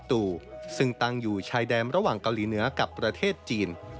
ตู่ซึ่งตั้งอยู่ชายแดนระหว่างเกาหลีเหนือกับประเทศจีน